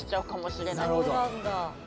そうなんだ。